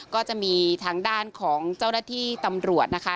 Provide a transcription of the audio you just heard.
ก็จะมีทางด้านของเจ้าหน้าที่ตำรวจนะคะ